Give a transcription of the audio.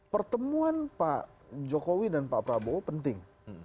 pertemuan pak jokowi dan pak prabowo penting